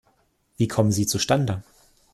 Wie kommen sie zustande?